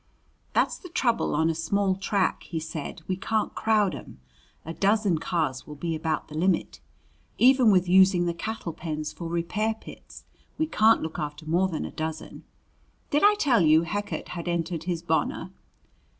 "That's the trouble on a small track," he said "we can't crowd 'em. A dozen cars will be about the limit. Even with using the cattle pens for repair pits we can't look after more than a dozen. Did I tell you Heckert had entered his Bonor?"